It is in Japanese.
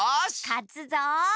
かつぞ。